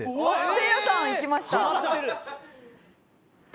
せいやさんいきました。